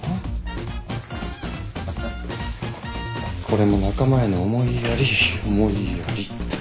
これも仲間への思いやり思いやりっと。